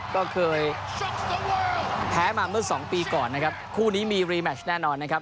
ก็เคยแพ้มาเมื่อสองปีก่อนนะครับคู่นี้มีรีแมชแน่นอนนะครับ